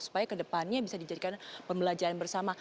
supaya kedepannya bisa dijadikan pembelajaran bersama